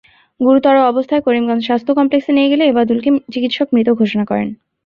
গুরুতর অবস্থায় করিমগঞ্জ স্বাস্থ্যকমপ্লেক্সে নিয়ে গেলে এবাদুলকে চিকিৎসক মৃত ঘোষণা করেন।